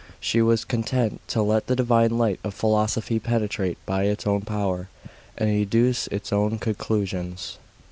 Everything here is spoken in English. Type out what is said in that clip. She was content to let the divine light of philosophy penetrate by its own power, and educe its own conclusions.